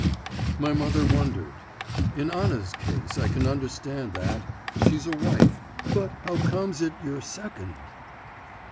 My mother wondered. 'In Anna's case I can understand that; she's a wife.… But how comes it your second.